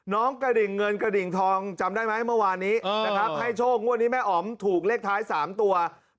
กระดิ่งเงินกระดิ่งทองจำได้ไหมเมื่อวานนี้นะครับให้โชคงวดนี้แม่อ๋อมถูกเลขท้าย๓ตัว